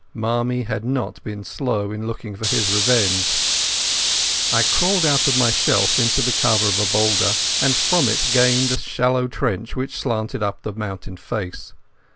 Marmie had not been slow in looking for his revenge. I crawled out of my shelf into the cover of a boulder, and from it gained a shallow trench which slanted up the mountain face.